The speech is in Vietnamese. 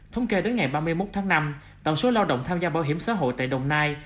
thống kê đến ngày ba mươi một tháng năm tổng số lao động tham gia bảo hiểm xã hội tại đồng nai